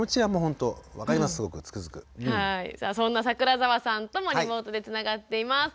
さあそんな櫻澤さんともリモートでつながっています。